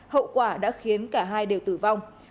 hậu quả đã khiến cả hai đều tử vong